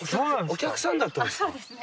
お客さんだったんですか？